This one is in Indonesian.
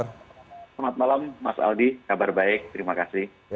selamat malam mas aldi kabar baik terima kasih